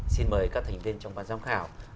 xin mời các thành viên trong ban giám khảo